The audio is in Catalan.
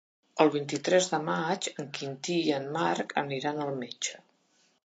El vint-i-tres de maig en Quintí i en Marc aniran al metge.